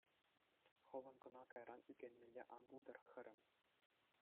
Хӑвӑн кӑна кайран ӳкӗнмелле ан пултӑр, хӗрӗм.